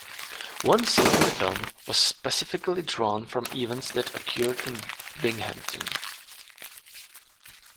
One scene in the film was specifically drawn from events that occurred in Binghamton.